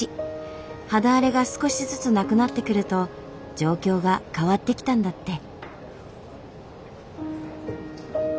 肌荒れが少しずつなくなってくると状況が変わってきたんだって。